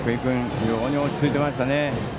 非常に落ち着いていました。